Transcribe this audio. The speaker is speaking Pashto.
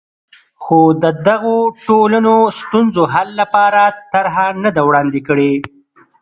خو د دغو ټولنو ستونزو حل لپاره طرحه نه ده وړاندې کړې.